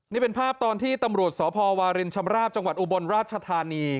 นี่เป็นภาพตอนที่ตำรวจสพวารินชำราบจังหวัดอุบลราชธานี